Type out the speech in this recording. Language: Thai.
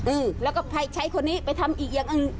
เออแล้วก็ใช้คนนี้ไปทำอีกอย่างหนึ่ง